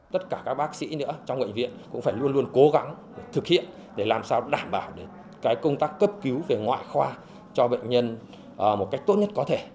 tất cả các bác sĩ nữa trong bệnh viện cũng phải luôn luôn cố gắng thực hiện để làm sao đảm bảo công tác cấp cứu về ngoại khoa cho bệnh nhân một cách tốt nhất có thể